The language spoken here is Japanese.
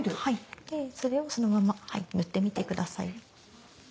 それをそのまま塗ってみてください。